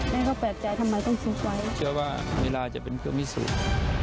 มันก็แปลกแต่ทำไมต้องซื้อไว้เชื่อว่าเวลาจะเป็นเครื่องวิสุทธิ์